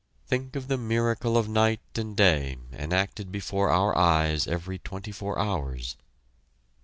Think of the miracle of night and day enacted before our eyes every twenty four hours.